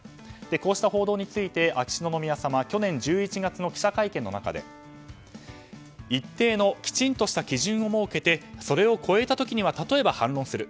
こうした報道について秋篠宮さま去年１１月の記者会見の中で一定のきちんとした基準を設けてそれを超えた時には例えば反論する。